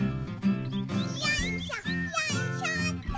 よいしょよいしょっと。